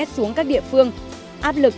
xuống các địa phương áp lực